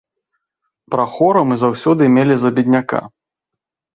Прахора мы заўсёды мелі за бедняка.